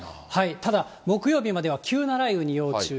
ただ、木曜日までは急な雷雨に要注意。